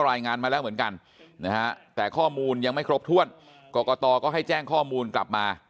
รายงานมาแล้วเหมือนกันนะฮะแต่ข้อมูลยังไม่ครบถ้วนกรกตก็ให้แจ้งข้อมูลกลับมา